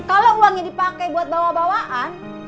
kalau uangnya dipakai buat bawa bawaan